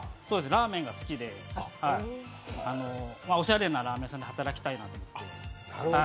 ラーメンが好きで、おしゃれなラーメン屋さんで働きたいなと思って。